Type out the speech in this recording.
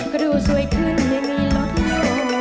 ก็ดูสวยขึ้นไม่มีล็อตเหลือ